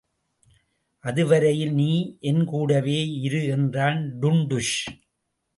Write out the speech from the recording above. அதுவரையில் நீ என்கூடவே இரு என்றான் டுண்டுஷ்.